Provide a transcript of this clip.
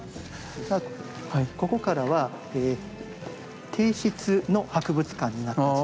ここからは帝室の博物館になった時代。